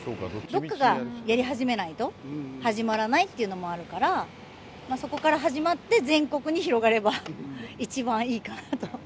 どこかがやり始めないと始まらないっていうのもあるから、そこから始まって全国に広がれば一番いいかなと。